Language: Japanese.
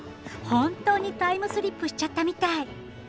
本当にタイムスリップしちゃったみたい！